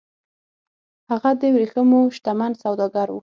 هغه د ورېښمو شتمن سوداګر و